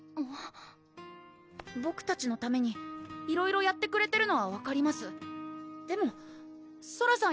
ボクたちのためにいろいろやってくれてるのは分かりますでもソラさん